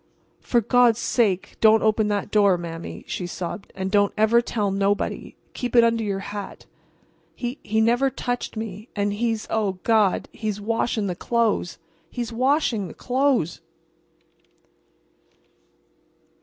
"For God's sake don't open that door, Mame," she sobbed. "And don't ever tell nobody—keep it under your hat. He—he never touched me, and—he's—oh, Gawd—he's washin' the clothes—he's washin' the clothes!"